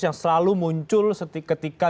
yang selalu muncul ketika